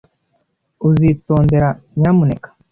Uzitondera, nyamuneka?